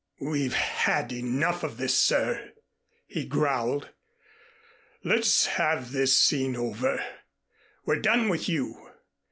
"We've had enough of this, sir," he growled. "Let's have this scene over. We're done with you.